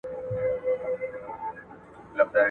هغوی په تېرو کلونو کي ډېري ازمایښتي څېړني کړي دي.